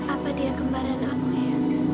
apa dia kembaran aku ya